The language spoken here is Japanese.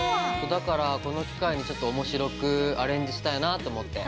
だからこの機会にちょっと面白くアレンジしたいなと思って。